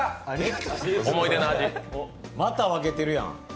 また、分けてるやん。